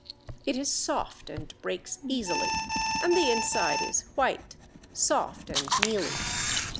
It is soft and breaks easily, and the inside is white, soft and mealy.